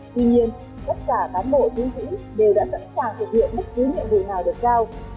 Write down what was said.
tuy nhiên tất cả cán bộ chiến sĩ đều đã sẵn sàng thực hiện bất cứ nhiệm vụ nào được giao